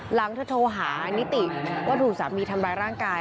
หลังเธอโทรหานิติว่าถูกสามีทำร้ายร่างกาย